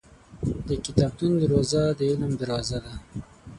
• د کتابتون دروازه د علم دروازه ده.